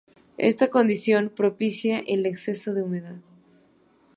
Esta condición propicia el exceso de humedad.